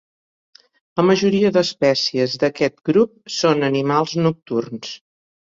La majoria d'espècies d'aquest grup són animals nocturns.